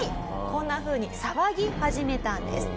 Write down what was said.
こんなふうに騒ぎ始めたんです。